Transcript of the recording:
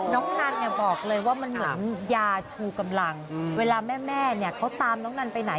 นันเนี่ยบอกเลยว่ามันเหมือนยาชูกำลังเวลาแม่เนี่ยเขาตามน้องนันไปไหน